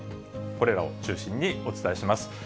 これらを中心にお伝えします。